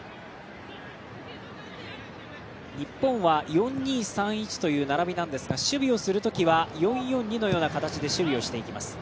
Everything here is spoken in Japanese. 日本は４−２−３−１とう並びなんですが守備をするときは４−４−２のような形で守備をしていきます。